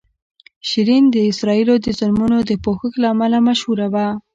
شیرین د اسرائیلو د ظلمونو د پوښښ له امله مشهوره وه.